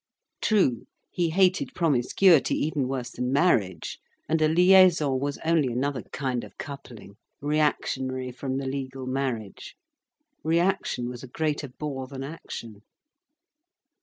True, he hated promiscuity even worse than marriage, and a liaison was only another kind of coupling, reactionary from the legal marriage. Reaction was a greater bore than action.